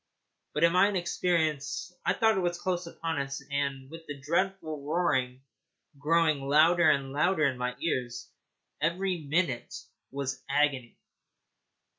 But, in my inexperience, I thought it was close upon us, and, with the dreadful roaring growing louder and louder in my ears, every minute was an agony.